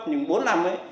những bốn năm ấy